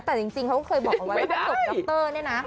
แต่จริงเขาก็เคยบอกว่าถ้าถูกดับเตอร์นี่นะ